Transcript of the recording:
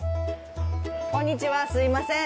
こんにちは、すみません。